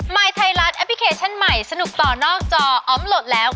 ยไทยรัฐแอปพลิเคชันใหม่สนุกต่อนอกจออมโหลดแล้ว